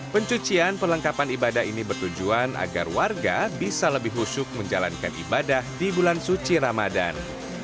pencucian perlengkapan ibadah ini bertujuan agar warga bisa lebih husuk menjalankan ibadah di bulan suci ramadan